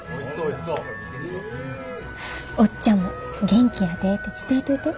おっちゃんも元気やでって伝えといて。